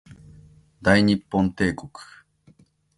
大日本帝国